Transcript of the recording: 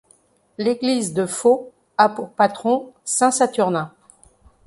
L’église de Faux a pour patron saint Saturnin.